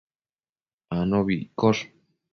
anobi iccosh